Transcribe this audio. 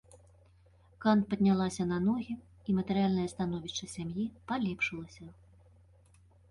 Кант паднялася на ногі, і матэрыяльнае становішча сям'і палепшылася.